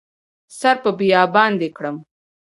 سر په بیابان دې کړم